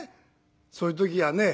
そういう時はねえ